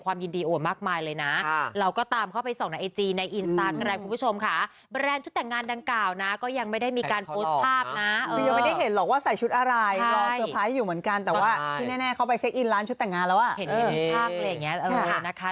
ความยินดีโอมากมายเลยนะ